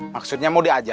maksudnya mau diajak